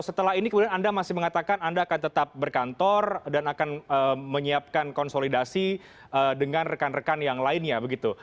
setelah ini kemudian anda masih mengatakan anda akan tetap berkantor dan akan menyiapkan konsolidasi dengan rekan rekan yang lainnya begitu